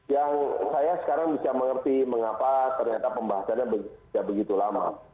yang saya sekarang bisa mengerti mengapa ternyata pembahasannya tidak begitu lama